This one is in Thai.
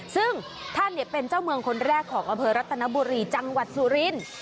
ซึ่งท่านเป็นเจ้าเมืองคนแรกของอำเภอรัตนบุรีจังหวัดสุรินทร์